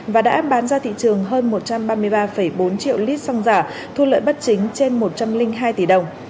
và đã bán ra thị trường hơn một trăm ba mươi ba bốn triệu lít xăng giả thu lợi bất chính trên một trăm linh hai tỷ đồng